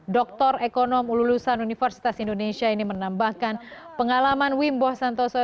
doktor ekonom lulusan universitas indonesia ini menambahkan pengalaman wimbo santoso